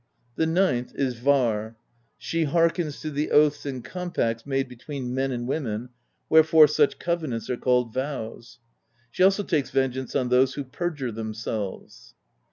The ninth is Var: she barkens to the oaths and compacts made between men and women ; wherefore such covenants are called 'vows.' She also takes vengeance on those who perjure themselves.